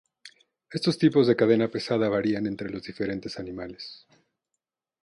Estos tipos de cadena pesada varían entre los diferentes animales.